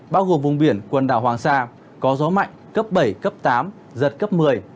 bao gồm vùng biển quần đảo hoàng sa có gió mạnh cấp bảy cấp tám giật cấp một mươi